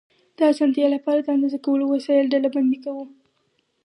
د اسانتیا لپاره د اندازه کولو وسایل ډلبندي کوو.